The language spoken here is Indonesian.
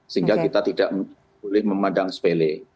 sehingga kita tidak boleh memandang sepele